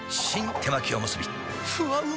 手巻おむすびふわうま